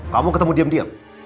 kamu ketemu diam diam